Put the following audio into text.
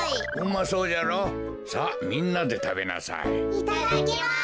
いただきます。